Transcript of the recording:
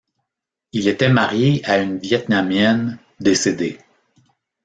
Il était marié à une vietnamienne, décédée.